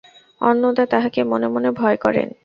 অন্নদা তাহাকে মনে মনে ভয় করেন।